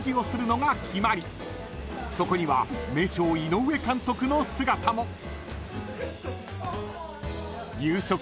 ［そこには名将井上監督の姿も］